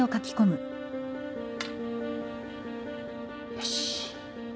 よし。